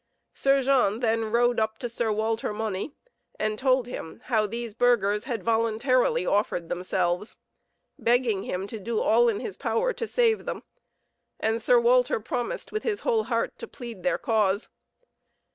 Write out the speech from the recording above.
Sir Jean then rode up to Sir Walter Mauny, and told him how these burghers had voluntarily offered themselves, begging him to do all in his power to save them; and Sir Walter promised with his whole heart to plead their cause.